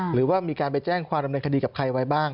หรือว่ามีการไปแจ้งความดำเนินคดีกับใครไว้บ้าง